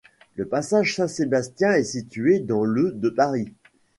Le passage Saint-Sébastien est situé dans le de Paris.